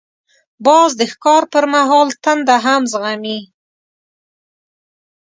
باز د ښکار پر مهال تنده هم زغمي